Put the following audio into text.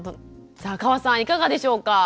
さあ河さんいかがでしょうか。